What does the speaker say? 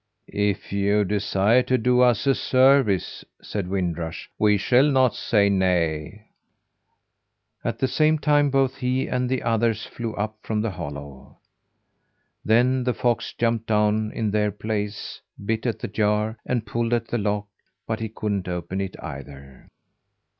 "If you desire to do us a service," said Wind Rush, "we shall not say nay." At the same time, both he and the others flew up from the hollow. Then the fox jumped down in their place, bit at the jar, and pulled at the lock but he couldn't open it either.